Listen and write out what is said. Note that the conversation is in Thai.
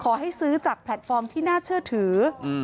ซื้อจากแพลตฟอร์มที่น่าเชื่อถือ